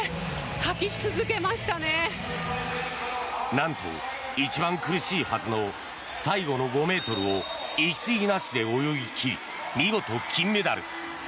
なんと一番苦しいはずの最後の５ｍを息継ぎなしで泳ぎ切り見事、金メダル。